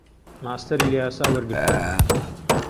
ماستەری لە یاسا وەرگرتووە.